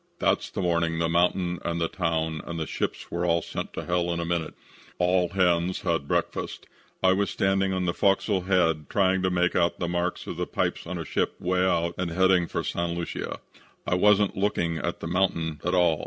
That's the morning the mountain and the town and the ships were all sent to hell in a minute. "All hands had had breakfast. I was standing on the fo'c's'l head trying to make out the marks on the pipes of a ship 'way out and heading for St. Lucia. I wasn't looking at the mountain at all.